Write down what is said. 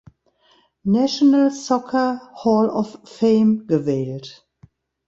National Soccer Hall of Fame" gewählt.